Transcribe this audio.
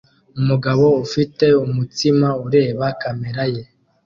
Umugabo ufite umutsima ureba kamera ye